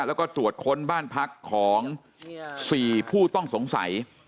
แล้วก็ตรวจค้นบ้านพักของ๔ผู้ต้องสงสัย